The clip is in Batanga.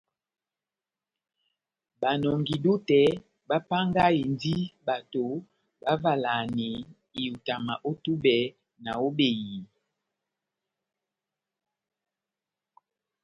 Banɔngi-dútɛ bapángahindi bato bavalahani ihutama ó túbɛ ná ó behiyi.